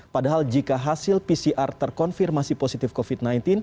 padahal jika hasil pcr terkonfirmasi positif covid sembilan belas